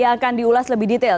yang akan diulas lebih detail